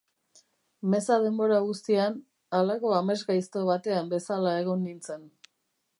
Meza denbora guztian, halako amesgaizto batean bezala egon nintzen.